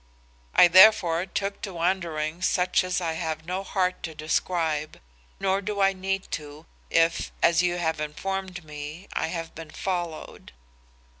I therefore took to wanderings such as I have no heart to describe. Nor do I need to, if, as you have informed me, I have been followed.